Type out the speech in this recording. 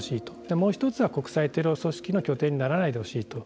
もう一つは国際テロ組織の拠点にならないでほしいと。